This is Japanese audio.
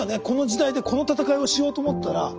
この時代でこの闘いをしようと思ったら。